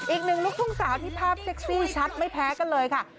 อีกหนึ่งลูกทุ่งสาวที่ภาพเซ็กซี่ชัดไม่แพ้กันเลยค่ะ